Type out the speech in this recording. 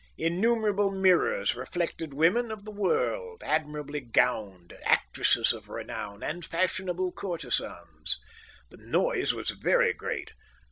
Innumerable mirrors reflected women of the world, admirably gowned, actresses of renown, and fashionable courtesans. The noise was very great.